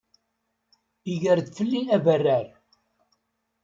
Iger-d fell-i abarrar.